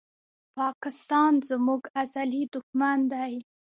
پاکستان زموږ ازلي دښمن دی